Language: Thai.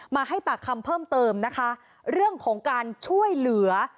มาให้ปากคำเพิ่มเติมนะคะเรื่องของการช่วยเหลือ